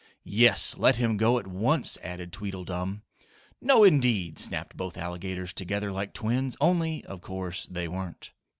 "Yes, let him go at once!" added Tweedledum. "No, indeed!" snapped both alligators together like twins, only, of course, they weren't.